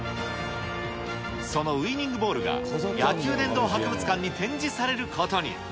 そのウイニングボールが野球殿堂博物館に展示されることに。